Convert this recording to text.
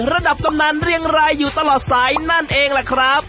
ระดับตำนานเรียงรายอยู่ตลอดสายนั่นเองล่ะครับ